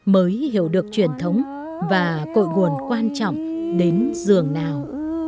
mới hiểu được truyền thống và cội nguồn quan trọng đến dường nào